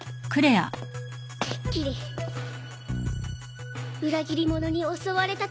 てっきり裏切り者に襲われたとばかり。